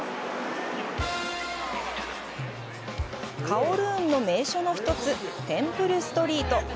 カオルーンの名所の１つテンプルストリート。